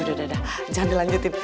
udah udah udah jangan dilanjutin